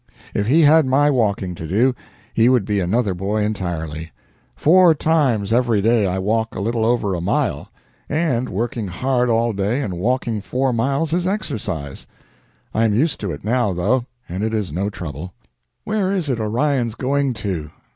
If he had my walking to do, he would be another boy entirely. Four times every day I walk a little over a mile; and working hard all day and walking four miles is exercise. I am used to it now, though, and it is no trouble. Where is it Orion's going to?